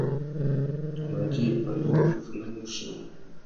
Tu mà djï pandúruffúffuna môchï.